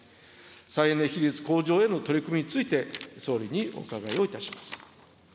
再エネ比率向上への取り組みについて、総理にお伺いをいたします。